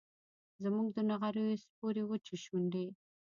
زموږ د نغریو سپورې وچې شونډي